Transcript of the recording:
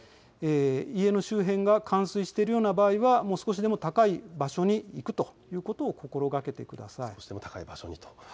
家の周辺が冠水しているような場合は少しでも高い場所に行くということを心がけてください。